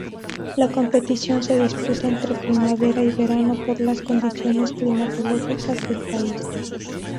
La competición se disputa entre primavera y verano por las condiciones climatológicas del país.